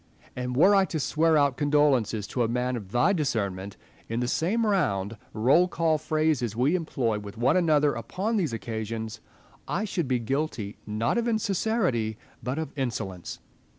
And were I to swear out condol ences to a man of thy discernment, in the same round, roll call phrases we employ with one another upon these occasions, I should be guilty, not of insincerity, but of insolence.